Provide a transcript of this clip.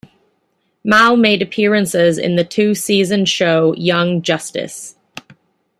Mal made appearances in the two season show "Young Justice".